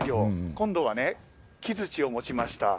今度はね、木づちを持ちました。